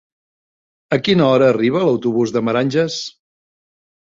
A quina hora arriba l'autobús de Meranges?